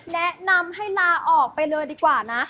แนะนำให้ลาออกไปเลยดีกว่านะ